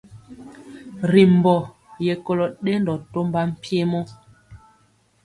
Ri mbɔ ye kolo dendɔ tɔmba mpiemɔ.